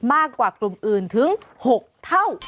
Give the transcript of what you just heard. มากกว่ากลุ่มอื่นถึง๖เท่า